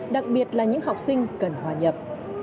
đặc biệt là những học sinh cần hòa nhập